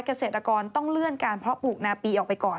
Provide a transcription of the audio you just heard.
เกษตรกรต้องเลื่อนการเพาะปลูกนาปีออกไปก่อน